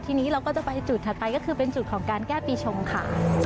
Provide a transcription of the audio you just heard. ทีนี้เราก็จะไปจุดถัดไปก็คือเป็นจุดของการแก้ปีชงค่ะ